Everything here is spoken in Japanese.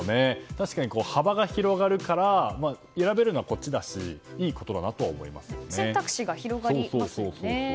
確かに幅が広がるから選べるのはこっちだし選択肢が広がりますよね。